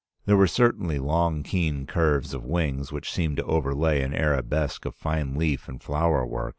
There were certainly long keen curves of wings which seemed to overlay an arabesque of fine leaf and flower work.